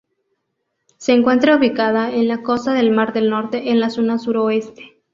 Se encuentra ubicada en la costa del mar del Norte, en la zona suroeste.